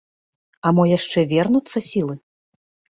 А мо яшчэ вернуцца сілы?